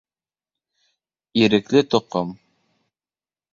Ирекле тоҡом!